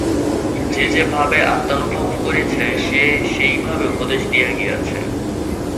যে যে-ভাবে আত্মানুভব করেছে, সে সেইভাবে উপদেশ দিয়ে গিয়েছে।